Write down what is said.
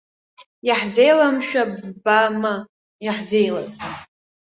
Иаҳзеиламшәа ббама иаҳзеилаз.